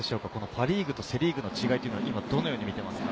パ・リーグとセ・リーグの違いはどのように見ていますか？